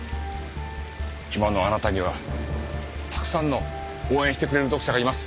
今のあなたにはたくさんの応援してくれる読者がいます。